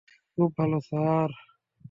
খুব ভাল স্যার।